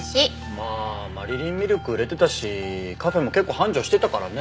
まあマリリンミルク売れてたしカフェも結構繁盛してたからね。